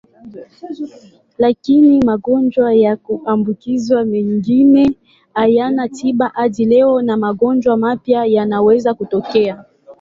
Lakini magonjwa ya kuambukizwa mengine hayana tiba hadi leo na magonjwa mapya yanaweza kutokea.